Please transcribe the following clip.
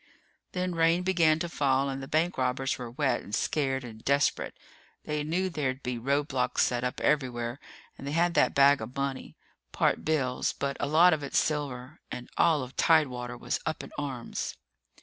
Then rain began to fall and the bank robbers were wet and scared and desperate. They knew there'd be roadblocks set up everywhere and they had that bag of money part bills, but a lot of it silver and all of Tidewater was up in arms.